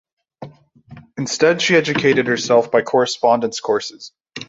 Instead she educated herself by correspondence courses.